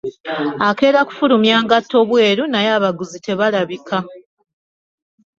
Akeera kufulumya ngatto bweru naye abaguzi tebalabika.